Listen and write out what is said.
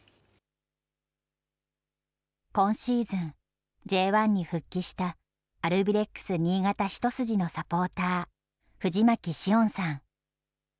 今シーズン、Ｊ１に復帰したアルビレックス新潟一筋のサポーター、藤巻詩音さん。